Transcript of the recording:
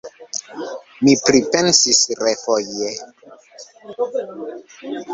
Mi pripensis refoje.